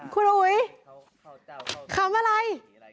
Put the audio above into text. คุณอุ๋ยขำอะไร